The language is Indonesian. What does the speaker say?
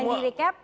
yang di recap